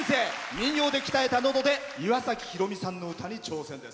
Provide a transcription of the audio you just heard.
民謡で鍛えたのどで岩崎宏美さんの歌に挑戦です。